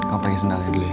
kamu pake sendalnya dulu ya